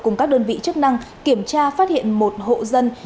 cùng các đơn vị chức năng kiểm tra phát hiện một hộ dân